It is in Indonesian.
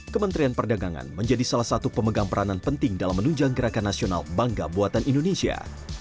kementerian perdagangan menjadi salah satu pemegang peranan penting dalam menunjang gerakan nasional bangga buatan indonesia